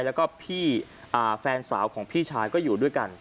แล้วก็พี่แฟนสาวของพี่ชายก็อยู่ด้วยกัน